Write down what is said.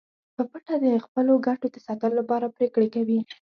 په پټه د خپلو ګټو د ساتلو لپاره پریکړې کوي